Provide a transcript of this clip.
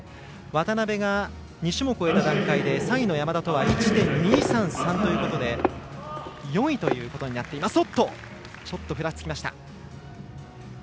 渡部が２種目終えた段階で３位の山田とは１．２３３ということで４位ということになっています。